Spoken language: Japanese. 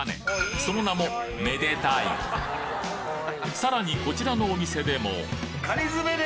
その名もさらにこちらのお店でも！